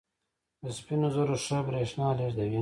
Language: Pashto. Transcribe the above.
د سپینو زرو ښه برېښنا لېږدوي.